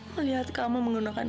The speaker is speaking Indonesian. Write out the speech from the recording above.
melihat kamu menggunakan